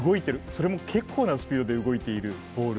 それも結構なスピードで動いているボール。